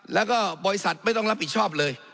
แล้วก็บริษัทไม่ต้องรับผิดชอบเลย